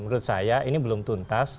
menurut saya ini belum tuntas